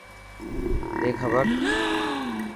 ڏي کبر.